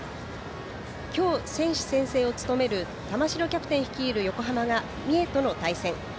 今日、選手宣誓を務める玉城キャプテン率いる横浜が三重との対戦。